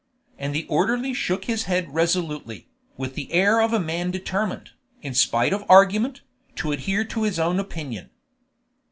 And the orderly shook his head resolutely, with the air of a man determined, in spite of argument, to adhere to his own opinion.